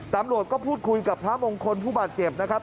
ตำรวจก็พูดคุยกับพระมงคลผู้บาดเจ็บนะครับ